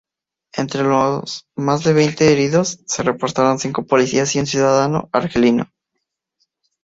Entre los más de veinte heridos se reportaron cinco policías y un ciudadano argelino.